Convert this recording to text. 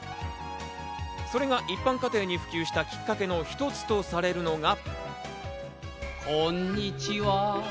それが一般家庭に普及したきっかけの一つとされるのが。